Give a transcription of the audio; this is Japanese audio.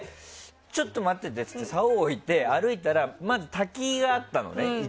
ちょっと待っててってさおを置いて歩いたら、まず滝があったのね。